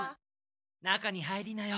中に入りなよ。